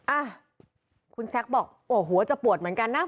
อ่ะคุณแซคบอกโอ้โหจะปวดเหมือนกันนะ